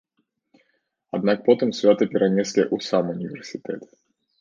Аднак потым свята перанеслі ў сам універсітэт.